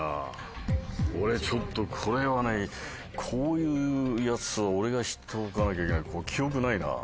俺ちょっとこれはねこういうやつは俺が知っておかなきゃいけない。